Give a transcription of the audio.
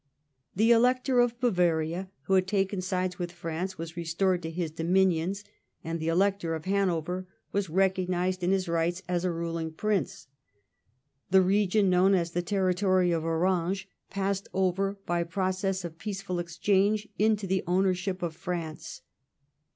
The Elector of Bavaria, who had taken sides with France, was restored to his dominions, and the Elector of Hanover was recognised in his rights as a ruling prince. The region known as the territory of Orange passed over by process of peaceful exchange into the ownership of France.